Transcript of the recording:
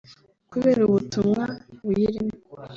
Kubera ubutumwa buyirimo